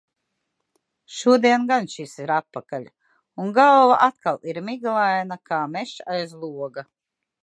Šodien gan šis ir atpakaļ, un galva atkal ir miglaina kā mežs aiz loga.